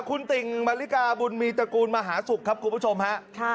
คุณติ่งมาริกาบุญมีตระกูลมหาศุกร์ครับคุณผู้ชมฮะ